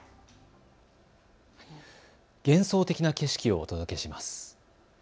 幻想的な景色をお届けします。